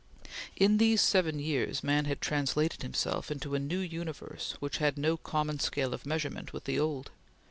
In these seven years man had translated himself into a new universe which had no common scale of measurement with the old.